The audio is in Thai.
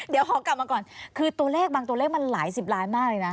เดี๋ยวขอกลับมาก่อนคือตัวเลขบางตัวเลขมันหลายสิบล้านมากเลยนะ